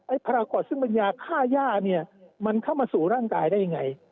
ไอ้พรากอดซึ่งมันยาฆ่าหญ้าเนี่ยมันเข้ามาสู่ร่างกายได้อย่างไร